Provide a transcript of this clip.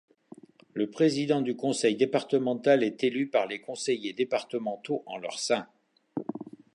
Le président du conseil départemental est élu par les conseillers départementaux en leur sein.